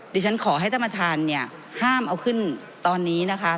ดิฉันขอให้ท่านประธานเนี่ยห้ามเอาขึ้นตอนนี้นะคะ